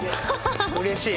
うれしい！